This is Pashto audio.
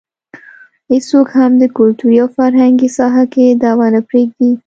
هېڅوک هم د کلتوري او فرهنګي ساحه کې دعوه نه پرېږدي.